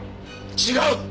違う！